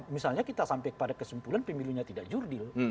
misalnya kita sampai pada kesimpulan pemilunya tidak jurdil